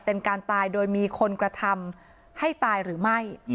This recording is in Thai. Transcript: เป็นการตายโดยมีคนกระทำให้ตายหรือไม่